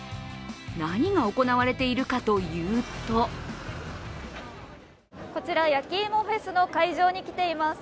何が行われているかというとこちら、やきいもフェスの会場に来ています。